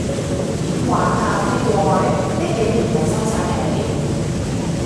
點玩啊，飛過去？呢幾年咪收晒皮